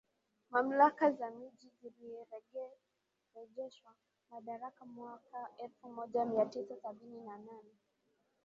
Mamlaka za Miji zilirejeshewa madaraka mwaka elfu moja mia tisa sabini na nane